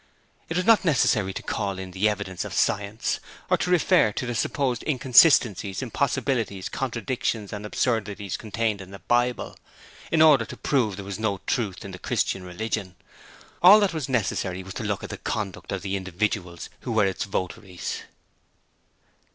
It was not necessary to call in the evidence of science, or to refer to the supposed inconsistencies, impossibilities, contradictions and absurdities contained in the Bible, in order to prove there was no truth in the Christian religion. All that was necessary was to look at the conduct of the individuals who were its votaries.